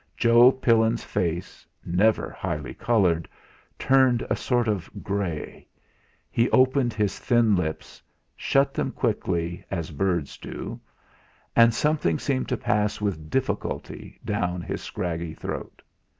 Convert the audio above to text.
Joe Pillin's face, never highly coloured, turned a sort of grey; he opened his thin lips, shut them quickly, as birds do, and something seemed to pass with difficulty down his scraggy throat.